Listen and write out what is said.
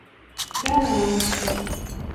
Belmonte